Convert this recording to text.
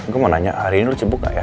gue mau nanya hari ini lu sibuk gak ya